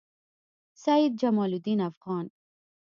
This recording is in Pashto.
سعید جمالدین افغان